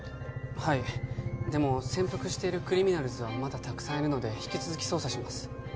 はいでも潜伏しているクリミナルズはまだたくさんいるので引き続き捜査します